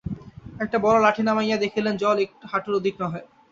একটা বড়ো লাঠি নামাইয়া দেখিলেন জল একহাঁটুর অধিক নহে।